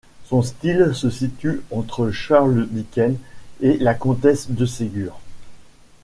Son style se situe entre Charles Dickens et la comtesse de Ségur.